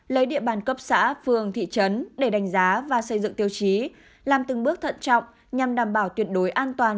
lấy địa bàn cấp xã phường thị trấn để đánh giá và xây dựng tiêu chí làm từng bước thận trọng nhằm đảm bảo tuyệt đối an toàn